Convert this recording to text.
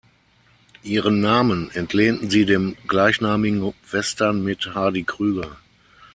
Ihren Namen entlehnten sie dem gleichnamigen Western mit Hardy Krüger.